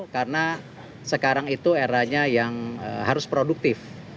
karena sekarang itu eranya yang harus produktif